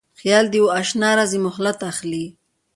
خیال د یواشنا راځی مهلت اخلي